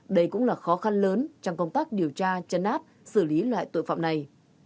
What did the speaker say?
đây cũng là khó khăn lớn trong công tác điều tra chấn áp xử lý loại tội phạm này